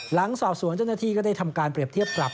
หลังสอบสวนเจ้าหน้าที่ก็ได้ทำการเปรียบเทียบปรับ